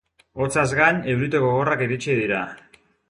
Hotzaz gain, eurite gogorrak iritsi dira.